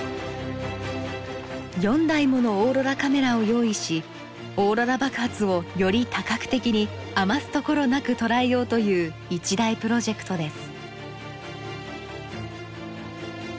４台ものオーロラカメラを用意しオーロラ爆発をより多角的に余すところなく捉えようという一大プロジェクトです。